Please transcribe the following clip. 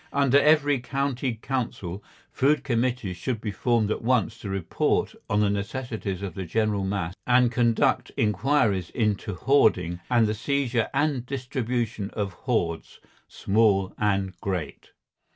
Under every county council food committees should be formed at once to report on the necessities of the general mass and conduct inquiries into hoarding and the seizure and distribution of hoards, small and great.